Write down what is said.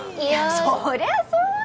そりゃそうだよ！